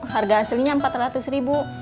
harga aslinya empat ratus ribu